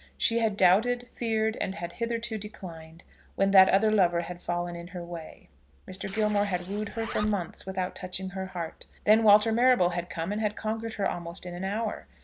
She had doubted, feared, and had hitherto declined, when that other lover had fallen in her way. Mr. Gilmore had wooed her for months without touching her heart. Then Walter Marrable had come and had conquered her almost in an hour.